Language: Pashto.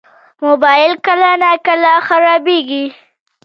موبایل کله ناکله خرابېږي.